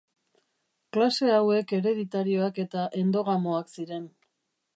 Klase hauek hereditarioak eta endogamoak ziren.